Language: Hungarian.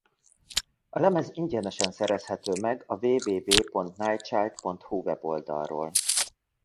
A lemez ingyenesen szerezhető meg a www.nightchild.hu weboldalról.